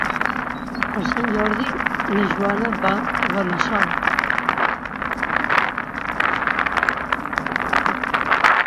Per Sant Jordi na Joana va a Benassal.